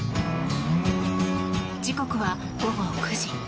時刻は午後９時。